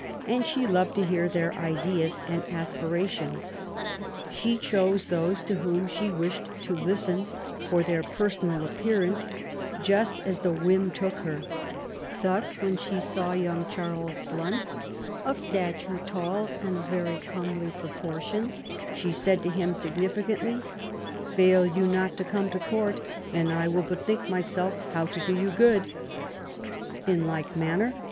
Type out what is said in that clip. tnTshe loved to hear their Jdeas and aspuat.^^^^ She chose those to whom ^^^^^J^^ ,„,, their personal , appearance, just *«^^ her. Thus, when she saw young Charles Bio ." Of stature tall and of very comely proportion, sh said to him, significantly :" Fail you not to come to Court, and I will bethink myself how to d^ you good •'. In like manner.